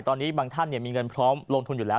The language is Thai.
ตอนนี้บางท่านมีเงินพร้อมลงทุนอยู่แล้ว